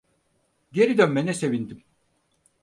Geri dönmene sevindim.